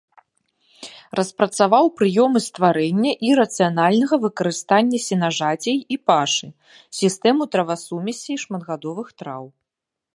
Распрацаваў прыёмы стварэння і рацыянальнага выкарыстання сенажацей і пашы, сістэму травасумесей шматгадовых траў.